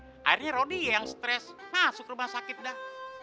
akhirnya rodi yang stres masuk rumah sakit dah